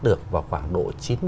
được vào khoảng độ chín mươi